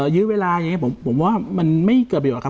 ยื้อเวลาอย่างนี้ผมว่ามันไม่เกิดประโยชนครับ